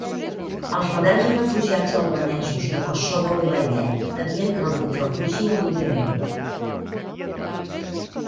Els rebels i refugiats albanesos de Kosovo Vilayet havien rebut refugi a Montenegro